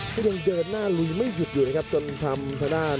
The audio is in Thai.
เพิ่งเดินหน้าลุยไม่หยุดยืนครับจนทำทดาน